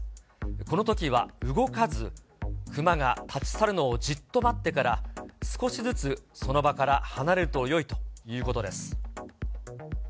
このときは動かず、クマが立ち去るのをじっと待ってから、少しずつ、その場から離れるとよいということです。